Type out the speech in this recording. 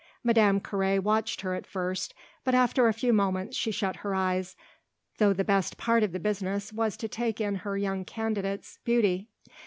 Madame Carré watched her at first, but after a few moments she shut her eyes, though the best part of the business was to take in her young candidate's beauty.